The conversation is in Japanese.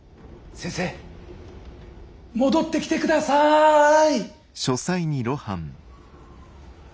先生戻ってきてくださァい！